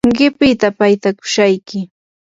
qipita paytakushayki.